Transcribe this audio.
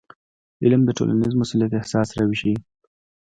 علم د ټولنیز مسؤلیت احساس راویښوي.